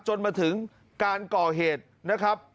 จนมาถึงการก่อเหตุนะครับ